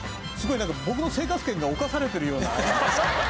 すごいなんか僕の生活圏が侵されてるような。